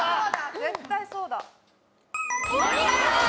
絶対そうだ。